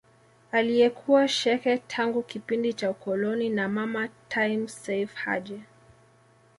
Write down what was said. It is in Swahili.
Aliyekuwa shekhe tangu kipindi cha ukoloni na mama Time Seif Haji